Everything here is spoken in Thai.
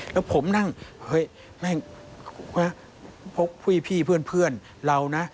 แล้วผมนั่งเฮ้ยนั่งพกพี่เพื่อนเรานะ